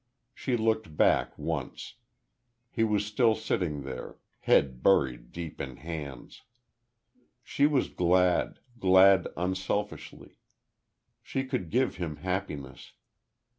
She looked back, once. He was still sitting there, head buried deep in hands.... She was glad, glad unselfishly. She could give him happiness.